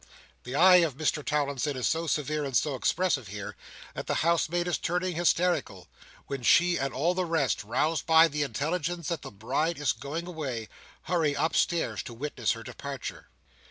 The eye of Mr Towlinson is so severe and so expressive here, that the housemaid is turning hysterical, when she and all the rest, roused by the intelligence that the Bride is going away, hurry upstairs to witness her departure.